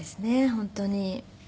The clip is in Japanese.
本当に。